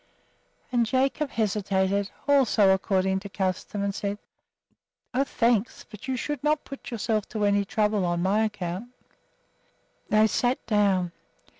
And Jacob hesitated, also according to custom, and said, "Oh, thanks! but you should not put yourself to any trouble on my account." They sat down.